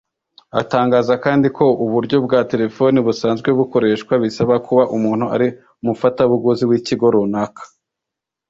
Atangaza kandi ko uburyo bwa telefoni busanzwe bukoreshwa bisaba kuba umuntu ari umufatabuguzi w’ikigo runaka